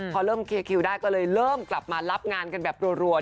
พอเริ่มเคลียร์คิวได้ก็เลยเริ่มกลับมารับงานกันแบบรัว